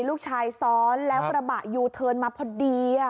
ลูกชายซ้อนแล้วกระบะยูเทิร์นมาพอดี